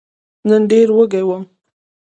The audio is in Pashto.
نن ډېر وږی وم !